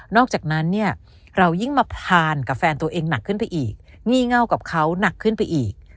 อกจากนั้นเนี่ยเรายิ่งมาพลานกับแฟนตัวเองหนักขึ้นไปอีกงี่เง่ากับเขาหนักขึ้นไปอีก